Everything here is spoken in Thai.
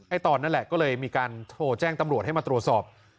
ตอนนั่นแหละก็เลยมีการโทรแจ้งตำรวจให้มาตรวจสอบ